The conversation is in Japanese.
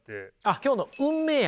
今日の「運命愛」